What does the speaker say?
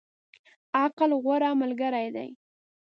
عقل، غوره ملګری دی.